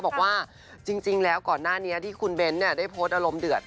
บอกว่าจริงแล้วก่อนหน้านี้ที่คุณเบ้นได้โพสต์อารมณ์เดือด